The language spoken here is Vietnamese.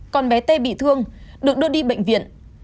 còn bé t bị thương được đưa đi bệnh viện